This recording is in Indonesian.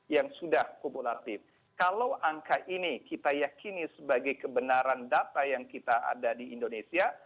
yang sudah kumulatif kalau angka ini kita yakini sebagai kebenaran data yang kita ada di indonesia